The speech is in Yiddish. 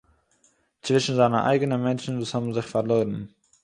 צווישן זיינע אייגענע מענטשן וואס האבן זיך פארלוירן